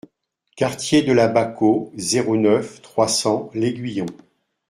Quartier de la Baquo, zéro neuf, trois cents L'Aiguillon